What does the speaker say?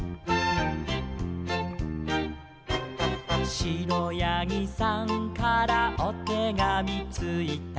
「しろやぎさんからおてがみついた」